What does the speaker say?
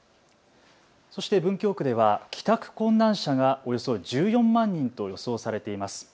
そして文京区では帰宅困難者がおよそ１４万人と予想されています。